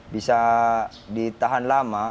bisa ditahan lama